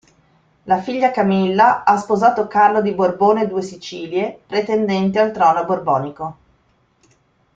La figlia Camilla ha sposato Carlo di Borbone-Due Sicilie, pretendente al trono borbonico.